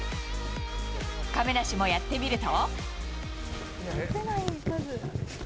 亀梨もやってみると。